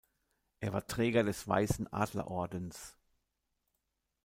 Er war Träger des Weißen Adlerordens.